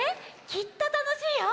きっとたのしいよ！